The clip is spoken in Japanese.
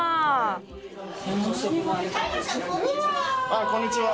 あっこんにちは。